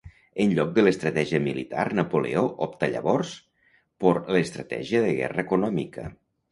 En lloc de l'estratègia militar, Napoleó opta llavors por l'estratègia de guerra econòmica.